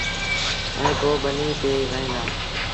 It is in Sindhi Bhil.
ائيٚݩ پو ٻنيٚ تي وهيݩ ديٚݩ۔